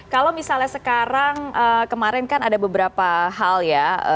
kalau misalnya sekarang kemarin kan ada beberapa hal ya